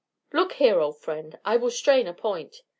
Look here, old friend, I will strain a point.